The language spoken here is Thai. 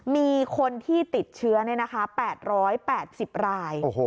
มีคนที่ติดเชื้อ๘๘๐ราย